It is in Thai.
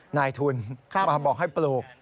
นายทุนมาบอกให้ปลูก